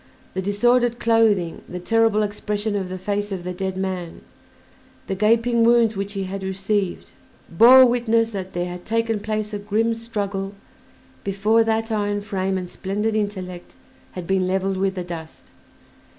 The disordered clothing, the terrible expression of the face of the dead man, the gaping wounds which he had received, bore witness that there had taken place a grim struggle before that iron frame and splendid intellect had been leveled with the dust.